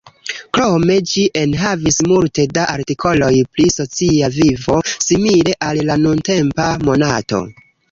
Krome ĝi enhavis multe da artikoloj pri "socia vivo", simile al al nuntempa Monato.